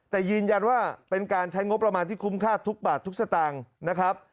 แต่ยืนยันว่าเป็นการใช้งบประมาณที่คุ้มค่าทุกบาททุกสตางค์นะครับ